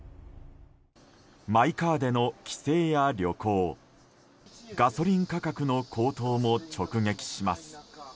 マイカーでの帰省や旅行ガソリン価格の高騰も直撃します。